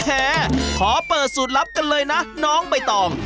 ขอเปิดสูตรลับกันเลยนะน้องใบตอง